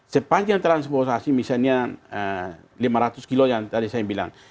sepanjang transportasi misalnya lima ratus kilo yang tadi saya bilang